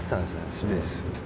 スペース。